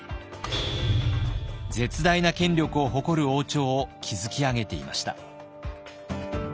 絶大な権力を誇る王朝を築き上げていました。